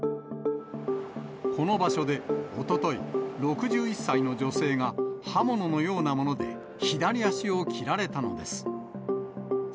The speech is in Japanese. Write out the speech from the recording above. この場所で、おととい、６１歳の女性が刃物のようなもので左足を切られたのです。